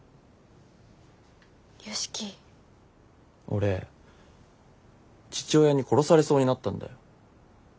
俺父親に殺されそうになったんだよ。